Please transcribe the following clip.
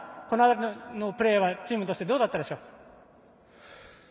この辺りのプレーはチームとしてどうだったでしょう。